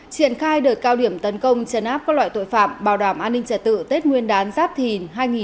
triển khai đợt cao điểm tấn công chấn áp các loại tội phạm bảo đảm an ninh trật tự tết nguyên đán giáp thìn hai nghìn hai mươi bốn